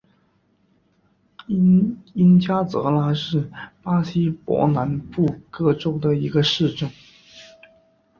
因加泽拉是巴西伯南布哥州的一个市镇。